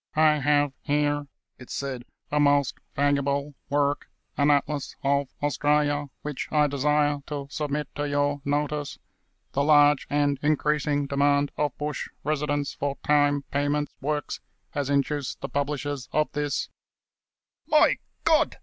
"I have here," it said, "a most valuable work, an Atlas of Australia, which I desire to submit to your notice. The large and increasing demand of bush residents for time pay ment works has induced the publishers of this " "My God!"